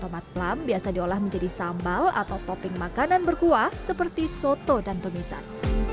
tomat plam biasa diolah menjadi sambal atau topping makanan berkuah seperti soto dan tumisan